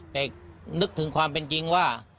แต่นึกถึงความเป็นจริงว่า